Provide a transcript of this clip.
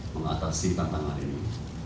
mengatasi tantangan ini